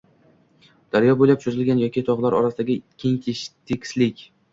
Daryo boʻylab choʻzilgan yoki togʻlar orasidagi keng tekislik